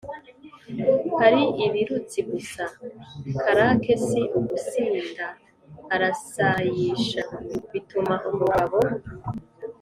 ari ibirutsi gusa. Karake si ugusinda arasayisha! Bituma umugabo